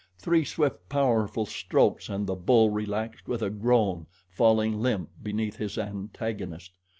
Three swift, powerful strokes and the bull relaxed with a groan, falling limp beneath his antagonist.